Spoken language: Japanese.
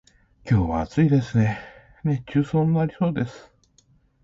今日は暑いですね、熱中症になりそうです。